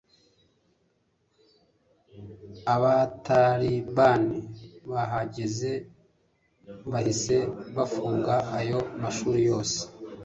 abatalibani bahageze bahise bafunga ayo mashuri yose